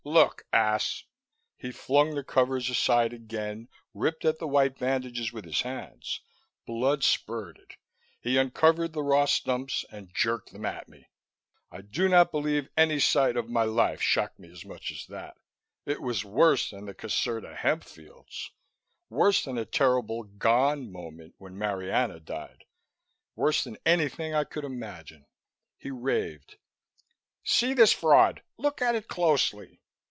Look, ass!" He flung the covers aside again, ripped at the white bandages with his hands Blood spurted. He uncovered the raw stumps and jerked them at me. I do not believe any sight of my life shocked me as much as that; it was worse than the Caserta hemp fields, worse than the terrible gone moment when Marianna died, worse than anything I could imagine. He raved, "See this fraud, look at it closely!